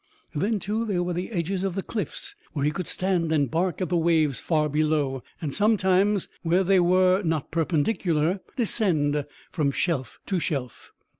Then, too, there were the edges of the cliffs where he could stand and bark at the waves far below, and sometimes, where they were not perpendicular, descend from shelf to shelf.